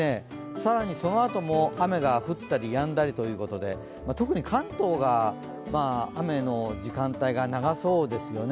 更に、そのあとも雨が降ったりやんだりということで、特に関東が雨の時間帯が長そうですよね。